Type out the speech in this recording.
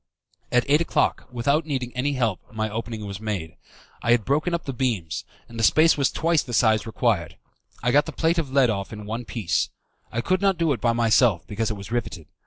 At eight o'clock, without needing any help, my opening was made. I had broken up the beams, and the space was twice the size required. I got the plate of lead off in one piece. I could not do it by myself, because it was riveted.